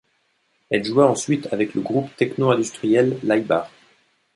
Elle joua ensuite avec le groupe techno-industriel Laibach.